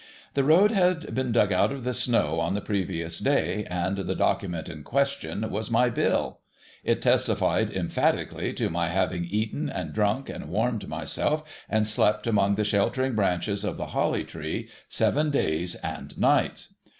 The road had been dug out of the snow on the previous day, and the document in question was my bill. It testified emphati cally to my having eaten and drunk, and warmed myself, and slept among the sheltering branches of the Holly Tree, seven days and nights.